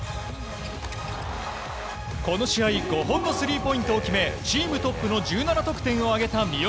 この試合５本のスリーポイントを決めチームトップの１７得点を挙げた三好。